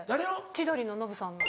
千鳥のノブさんの。